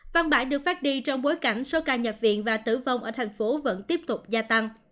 văn bãi được phát đi trong bối cảnh số ca nhập viện và tử vong ở thành phố vẫn tiếp tục gia tăng